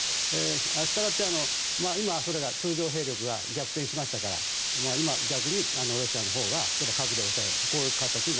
したがって、今、通常兵力が逆転しましたから今、逆にロシアのほうが核で押そうと。